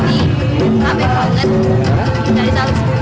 dari tahun dua ribu sepuluh sampai tahun dua ribu dua puluh